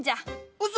うそ⁉